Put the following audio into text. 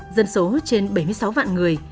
dân số trên bảy mươi sáu vạn người